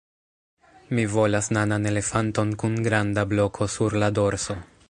Mi volas nanan elefanton kun granda bloko sur la dorso